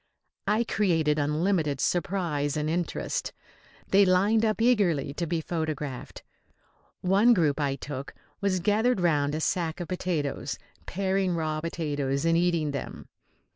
I created unlimited surprise and interest. They lined up eagerly to be photographed. One group I took was gathered round a sack of potatoes, paring raw potatoes and eating them.